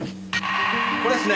これですね。